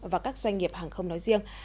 và các doanh nghiệp hàng không nói riêng